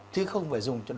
thứ không phải dùng cho